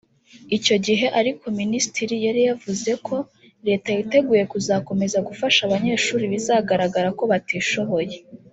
Icyo gihe ariko minisitiri yari yavuze ko leta yiteguye kuzakomeza gufasha abanyeshuri bizagaragara ko batishoboye